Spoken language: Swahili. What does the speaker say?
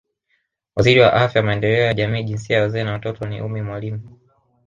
Waziri wa Afya Maendeleo ya Jamii Jinsia Wazee na Watoto ni Ummy Mwalimu